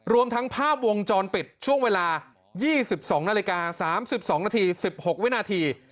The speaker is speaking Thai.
รวมทั้งภาพวงจรปิดช่วงเวลา๒๒นาฬิกา๓๒นาที๑๖วินาที